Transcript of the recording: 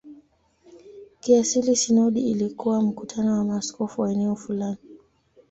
Kiasili sinodi ilikuwa mkutano wa maaskofu wa eneo fulani.